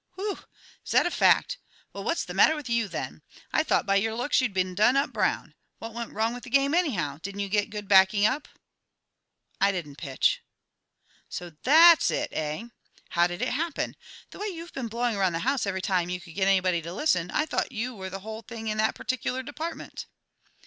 "Whew! Is that a fact? Well, what's the matter with you, then? I thought by your looks that you'd been done up brown. What went wrong with the game, anyhow? Didn't you get good backing up?" "I didn't pitch." "So that's it, eh? How did it happen? The way you've been blowing around the house every time you could get anybody to listen, I thought you were the whole thing in that particular department."